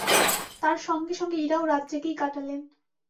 তাঁর সঙ্গে-সঙ্গে ইরাও রাত জেগেই কটালেন।